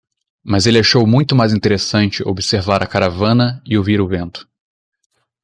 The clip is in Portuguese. Mas ele achou muito mais interessante observar a caravana e ouvir o vento.